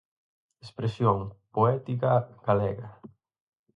Expresión poética galega.